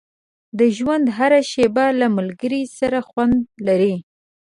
• د ژوند هره شېبه له ملګري سره خوند لري.